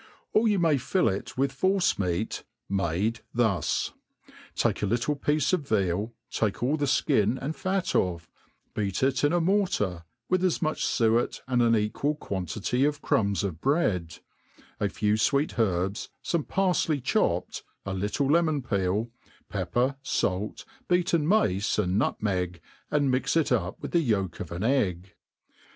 Or you may fill it with force meat made thus : take a little j>iece of ve^l, take all the ikin and fat ofF, beat it in a mortar, with as much fuer, and an equal quantity of crumbs of bread, a few fweet herbs, fome parfley chopped, a little lemon peel, pepper, fait, beaten mace,^ and nutmeg, and mix it up with the yolk of an egg.